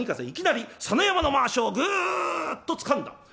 いきなり佐野山のまわしをぐっとつかんだ。